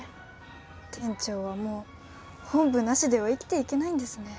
店長はもう本部なしでは生きていけないんですね。